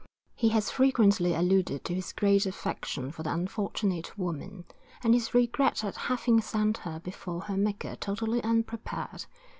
He has frequently alluded to his great affection for the unfortunate woman, and his regret at having sent her before her maker totally unprepared.